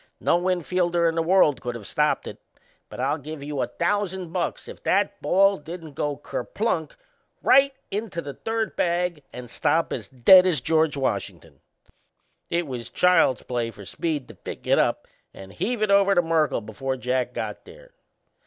No infielder in the world could of stopped it. But I'll give you a thousand bucks if that ball didn't go kerplunk right into the third bag and stop as dead as George Washington! It was child's play for Speed to pick it up and heave it over to Merkle before Jack got there.